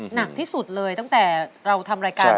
หนักที่สุดเลยตั้งแต่เราทำรายการ